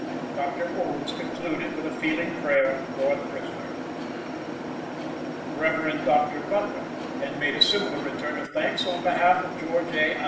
Dr. Olds concluded with a feeling prayer for the prisoner. Rev. Dr. Butler then made a similar return of thanks on behalf of George A.